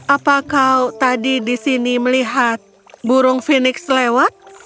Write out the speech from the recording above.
apa kau tadi di sini melihat burung fenix lewat